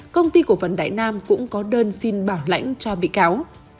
công ty cổ phần đại nam cũng có đơn xin bảo lãnh cho bị cáo